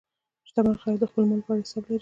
شتمن خلک د خپل مال په اړه حساب لري.